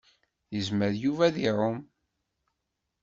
Yezmer Yuba ad iɛumm.